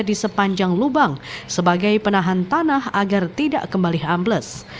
di sepanjang lubang sebagai penahan tanah agar tidak kembali ambles